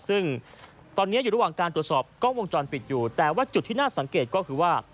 ซึ่งตอนนี้อยู่ระหว่างการตรวจสอบกล้องวงจรปิดอยู่แต่ว่าจุดที่น่าสังเกตก็คือว่า